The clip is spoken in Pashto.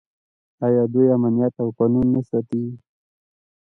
آیا دوی امنیت او قانون نه ساتي؟